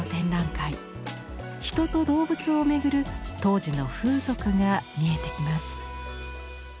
人と動物をめぐる当時の風俗が見えてきます。